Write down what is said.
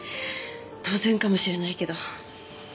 当然かもしれないけど。